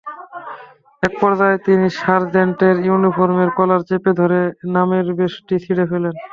একপর্যায়ে তিনি সার্জেন্টের ইউনিফর্মের কলার চেপে ধরে নামের ব্যাজটি ছিড়ে ফেলেন।